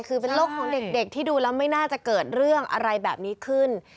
คือเป็นโลกของเด็กที่ดูแล้วไม่น่าจะเกิดเรื่องอะไรแบบนี้ขึ้น